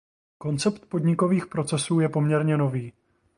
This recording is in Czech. Koncept podnikových procesů je poměrně nový.